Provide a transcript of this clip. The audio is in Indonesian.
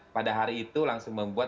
pada hari itu langsung membuat